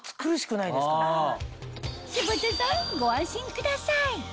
柴田さんご安心ください